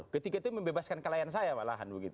ketika itu membebaskan kelayaan saya pak lahan